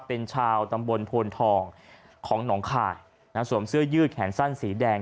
เป็นชาวตำบลโพนทองของหนองคายสวมเสื้อยืดแขนสั้นสีแดง